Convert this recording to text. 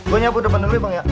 gue nyambut depan dulu ya bang